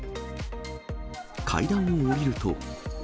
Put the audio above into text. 階段を下りると。